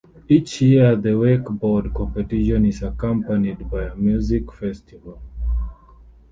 Each year the wakeboard competition is accompanied by a music festival.